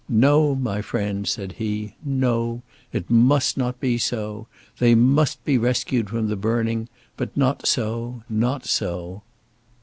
"No, my friend," said he, "no. It must not be so. They must be rescued from the burning; but not so, not so."